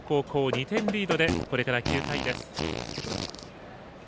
２点リードでこれから９回です。